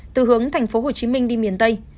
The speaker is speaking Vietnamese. từ hướng thành phố hồ chí minh đi miền tây